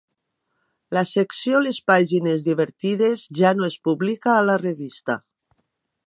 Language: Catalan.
La secció "Les pàgines divertides" ja no es publica a la revista.